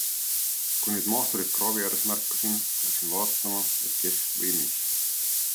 Kui nüüd maasturit kraavi ääres märkasin, läksin vaatama, et kes või mis.